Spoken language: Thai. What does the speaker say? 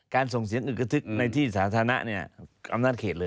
ส่งเสียงอึกกระทึกในที่สาธารณะเนี่ยอำนาจเขตเลย